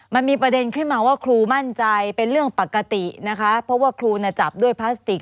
มันมีประเด็นขึ้นมาว่าครูมั่นใจเป็นเรื่องปกตินะคะเพราะว่าครูน่ะจับด้วยพลาสติก